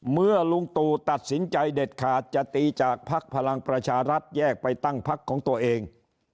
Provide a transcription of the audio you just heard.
เมื่อลุงตู่ตัดสินใจเด็ดขาดจะตีจากภักดิ์พลังประชารัฐแยกไปตั้งพักของตัวเอง